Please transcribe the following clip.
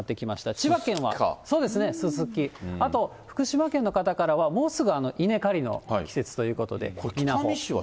千葉県はススキ、あと福島県の方からは、もうすぐ稲刈りの季節ということで、稲穂を。